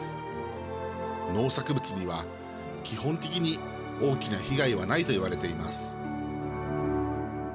農作物には基本的に大きな被害はないといわれています。